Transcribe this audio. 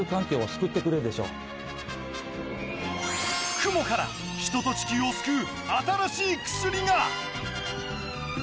クモから人と地球を救う新しい薬が！